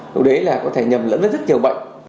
lúc đấy là có thể nhầm lẫn rất nhiều bệnh